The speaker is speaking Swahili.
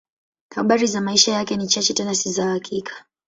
Habari za maisha yake ni chache, tena si za hakika.